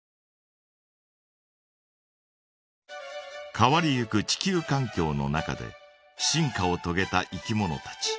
変わりゆく地球かん境の中で進化をとげたいきものたち。